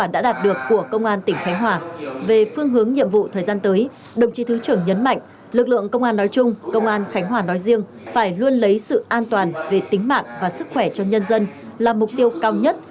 đồng chí thứ trưởng nhấn mạnh lực lượng công an nói chung công an khánh hòa nói riêng phải luôn lấy sự an toàn về tính mạng và sức khỏe cho nhân dân là mục tiêu cao nhất